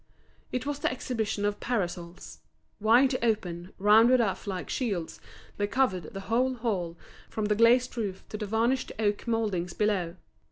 It was the exhibition of parasols. Wide open, rounded off like shields, they covered the whole hall, from the glazed roof to the varnished oak mouldings below.